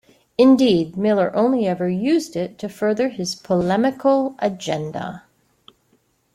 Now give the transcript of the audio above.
Indeed, Miller only ever used it to further his polemical agenda.